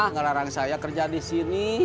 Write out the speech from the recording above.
ngarang saya kerja disini